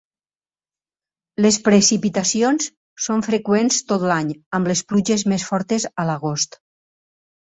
Les precipitacions són freqüents tot l'any amb les pluges més fortes a l'agost.